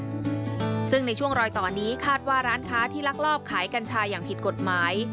ซึ่งในช่วงรอยต่อนี้คาดว่าร้านค้าที่ลักลอบขายกัญชาอย่างผิดกฎหมาย